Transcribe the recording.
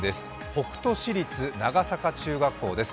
北杜市立長坂中学校です。